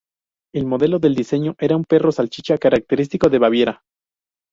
El modelo del diseño era un Perro Salchicha, característico de Baviera.